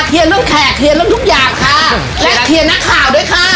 เรื่องแขกเคลียร์เรื่องทุกอย่างค่ะและเคลียร์นักข่าวด้วยค่ะ